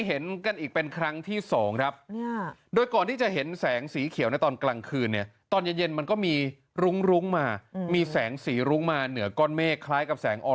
เมื่อวานนี้วันเสาร์ก็มีเหมือนกัน